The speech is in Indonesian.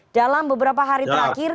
dalam beberapa hari terakhir